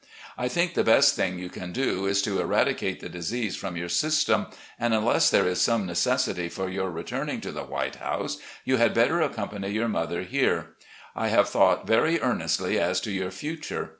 I think the best thing you can do is to eradicate the disease from your system, and unless there is some necessity for your returning to the White House, you had better accompany your mother here. I have thought very earnestly as to your future.